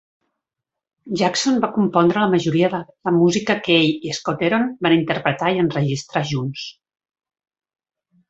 Jackson va compondre la majoria de la música que ell i Scott-Heron van interpretar i enregistrar junts.